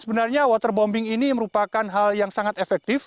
sebenarnya waterbombing ini merupakan hal yang sangat efektif